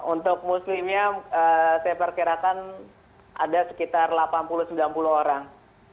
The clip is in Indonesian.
untuk muslim nya saya perkerakan ada sekitar delapan puluh sembilan puluh orang